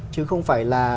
chứ không phải là